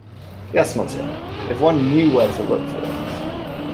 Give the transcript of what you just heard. Yes, monsieur — if one knew where to look for it.